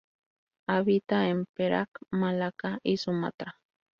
Habita en Perak, Malaca y Sumatra.